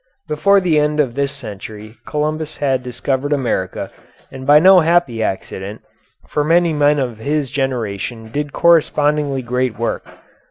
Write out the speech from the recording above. Before the end of this century Columbus had discovered America, and by no happy accident, for many men of his generation did correspondingly great work.